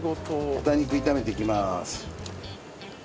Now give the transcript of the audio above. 豚肉炒めていきます。